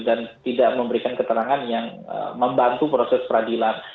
dan tidak memberikan keterangan yang membantu proses peradilan